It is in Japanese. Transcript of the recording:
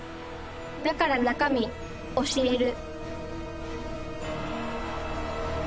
だから中み教える。